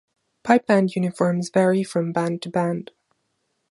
Pipe band uniforms vary from band to band.